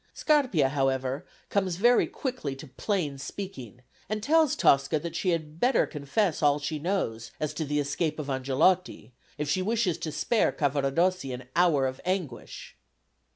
Scarpia, however, comes very quickly to plain speaking, and tells Tosca that she had better confess all that she knows as to the escape of Angelotti if she wishes to spare Cavaradossi an hour of anguish.